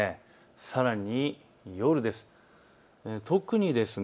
さらに夜です。